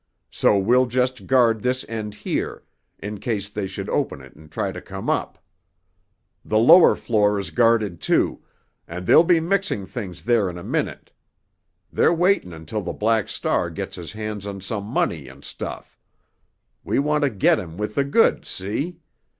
So we'll just guard this end here, in case they should open it and try to come up. The lower floor is guarded, too, and they'll be mixing things there in a minute; they're waitin' until Black Star gets his hands on some money and stuff. We want to get him with the goods, see?